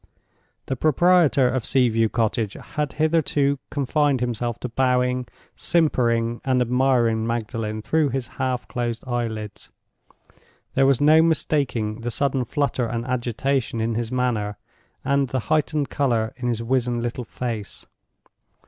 The proprietor of Sea view Cottage had hitherto confined himself to bowing, simpering and admiring Magdalen through his half closed eyelids. There was no mistaking the sudden flutter and agitation in his manner, and the heightened color in his wizen little face.